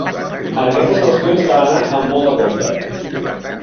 En aquestes qüestions cal anar amb molt de compte.